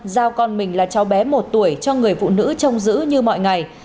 giao con mình là cháu bé một tuổi cho người phụ nữ trông giữ như mọi ngày